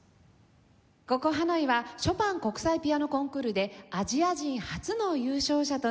ここハノイはショパン国際ピアノコンクールでアジア人初の優勝者となりました